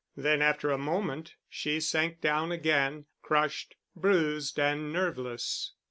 Then after a moment, she sank down again, crushed, bruised and nerveless.